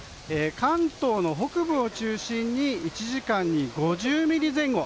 関東の北部を中心に１時間に５０ミリ前後。